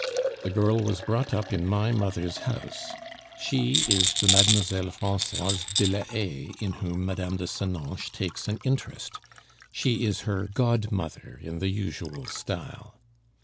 The girl was brought up in my mother's house; she is the Mlle. Francoise de la Haye in whom Mme. de Senoches takes an interest; she is her godmother in the usual style.